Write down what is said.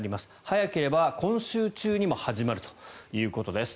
早ければ今週中にも始まるということです。